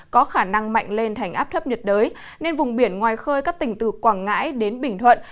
có khả năng mạnh lên thành áp thấp nhiệt đới nên vùng biển ngoài khơi các tỉnh từ quảng ngãi đến bình thuận